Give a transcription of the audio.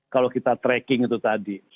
kalau kita tracking itu tadi